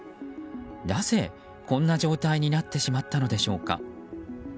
なぜ、こんな状態になってしまったのでしょうか。